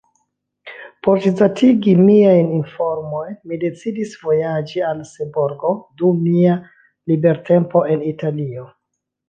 Por ĝisdatigi miajn informojn, mi decidis vojaĝi al Seborgo dum mia libertempo en Italio.